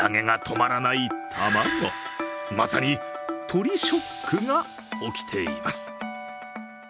まさに鶏ショックが起きています。